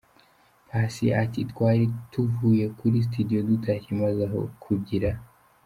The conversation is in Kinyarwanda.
Paccy ati Twari tuvuye kuri studio dutashye maze aho kugira.